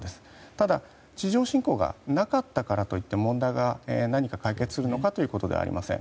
ただ、地上侵攻がなかったからといって問題が何か解決するのかということではありません。